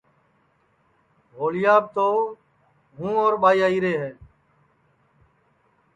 ہوݪیاپ تو ہوں اور ٻائی آئیرے ہے